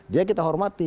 dia kita hormati